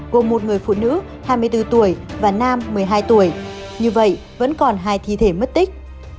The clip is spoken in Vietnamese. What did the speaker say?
gồm một người phụ nữ hai mươi bốn tuổi và nam một mươi hai tuổi như vậy vẫn còn hai thi thể mất tích